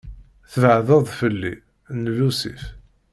"Tbeεdeḍ fell-i" n Lusif.